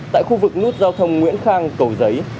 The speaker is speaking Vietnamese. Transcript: tại khu vực nút giao thông nguyễn khang cầu giấy